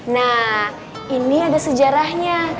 nah ini ada sejarahnya